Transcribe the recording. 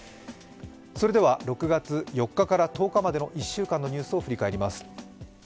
それでは６月４日から１０日までの１週間を振り返ります。